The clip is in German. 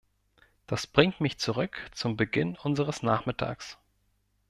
Das bringt mich zurück zum Beginn unseres Nachmittags.